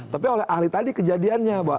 tapi oleh ahli tadi kejadiannya